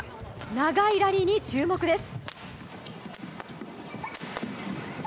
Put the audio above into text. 長いラリーに注目です。